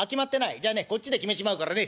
じゃあねこっちで決めちまうからね。